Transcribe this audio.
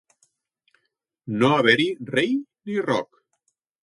No haver-hi rei ni roc.